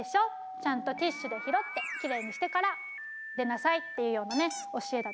ちゃんとティッシュで拾ってきれいにしてから出なさい」っていうようなね教えだったんですね。